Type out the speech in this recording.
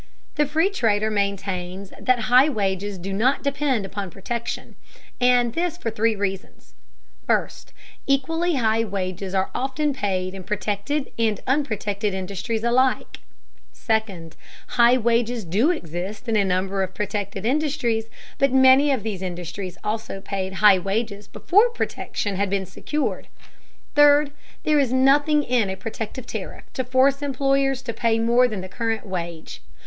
The free trader maintains that high wages do not depend upon protection, and this for three reasons: First, equally high wages are often paid in protected and unprotected industries alike; second, high wages do exist in a number of protected industries, but many of these industries also paid high wages before protection had been secured; third, there is nothing in a protective tariff to force employers to pay more than the current wage.